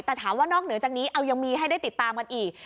แต่ถามว่านอกเหนือจากนี้เอายังมีให้ได้ติดตามกันอีก